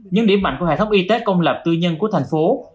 những điểm mạnh của hệ thống y tế công lập tư nhân của thành phố